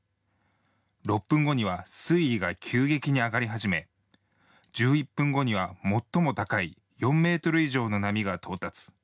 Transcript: ６分後には水位が急激に上がり始め１１分後には最も高い４ｍ以上の波が到達。